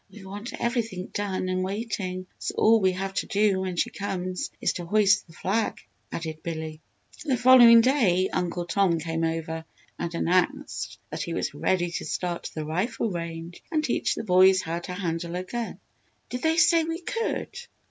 "We want everything done and waiting so all we have to do when she comes is to hoist the flag," added Billy. The following day Uncle Tom came over and announced that he was ready to start the rifle range and teach the boys how to handle a gun. "Did they say we could?"